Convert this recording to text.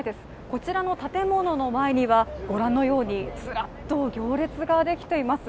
こちらの建物の前にはご覧のようにずらっと行列ができています。